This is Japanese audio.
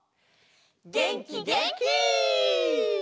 げんきげんき！